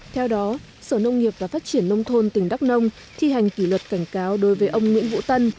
theo đó sở nông nghiệp và phát triển nông thôn tỉnh đắk nông thi hành kỷ luật cảnh cáo đối với ông nguyễn vũ tân